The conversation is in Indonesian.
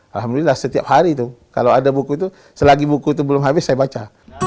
alhamdulillah setiap hari itu kalau ada buku itu selagi buku itu belum habis saya baca